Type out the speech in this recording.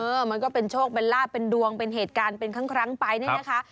มันก็เป็นโชคเป็นลาบเป็นดวงเป็นเหตุการณ์เป็นครั้งไปเนี่ยนะคะ